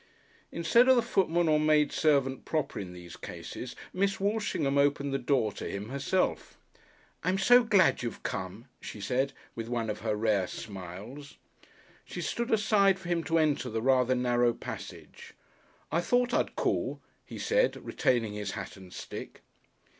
Instead of the footman or maidservant proper in these cases, Miss Walshingham opened the door to him herself. "I'm so glad you've come," she said, with one of her rare smiles. She stood aside for him to enter the rather narrow passage. "I thought I'd call," he said, retaining his hat and stick.